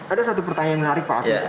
ada satu pertanyaan yang menarik pak hafiz